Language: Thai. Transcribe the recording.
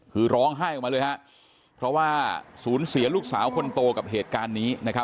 คือร้องไห้ออกมาเลยฮะเพราะว่าสูญเสียลูกสาวคนโตกับเหตุการณ์นี้นะครับ